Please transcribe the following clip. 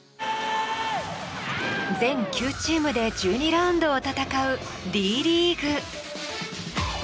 全９チームで１２ラウンドを戦うＤリーグ。